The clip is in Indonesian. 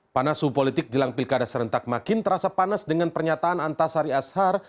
panas suhu politik jelang pilkada serentak makin terasa panas dengan pernyataan antasari ashar